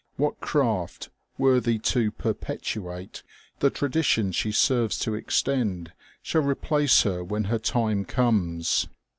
What craft worthy to perpetuate the traditions she serves to extend shall replace her when her time comes?